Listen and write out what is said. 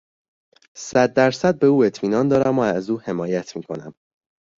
صد در صد به او اطمینان دارم و از او حمایت میکنم.